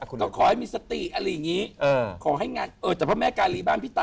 ขอให้มีสติอะไรแบบนี้